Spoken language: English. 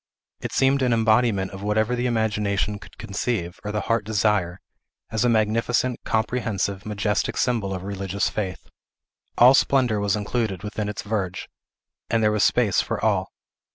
It seemed an embodiment of whatever the imagination could conceive, or the heart desire, as a magnificent, comprehensive, majestic symbol of religious faith. All splendor was included within its verge, and there was space for all.